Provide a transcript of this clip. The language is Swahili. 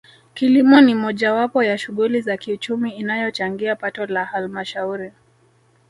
Kilimo ni mojawapo ya shughuli za kiuchumi inayochangia pato la Halmashauri